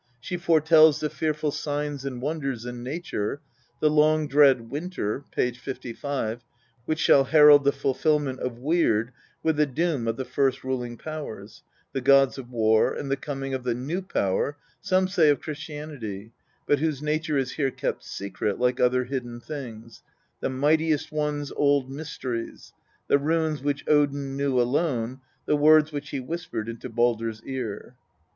She foretells the fearful signs and wonders in nature, the " long dread winter " (p. 55) which shall herald the fulfil ment of Weird with the Doom of the first ruling powers, the gods of war, and the coming of the new Power, some say of Christianity, but whose nature is here kept secret, like other hidden things " the Mightiest One's old mysteries," the runes which Odin knew alone, the words which he whispered into Baldr's ear.